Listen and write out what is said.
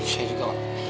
saya juga pak